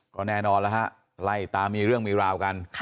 ก็แน่นอนว่าใหล่ตามีเรื่องมีราวกัน